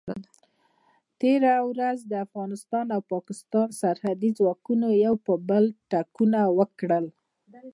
تېره ورځ د افغانستان او پاکستان سرحدي ځواکونو یو پر بل ټکونه وکړل.